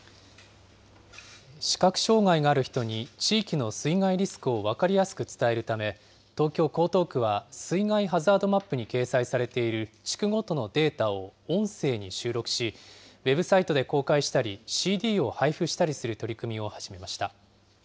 視覚障害がある人に地域の水害リスクを分かりやすく伝えるため、東京・江東区は、水害ハザードマップに掲載されている地区ごとのデータを音声に収録し、ウェブサイトで公開したり、ＣＤを配布したりする取り組みを始めました。